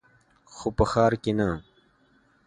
خو په ښار کښې نه.